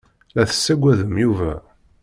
La tessaggadem Yuba.